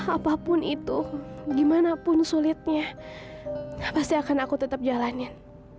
apapun itu gimana pun sulitnya pasti akan aku tetap jalanin